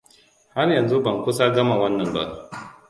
Har yanzu ban kusa gama wannan ba.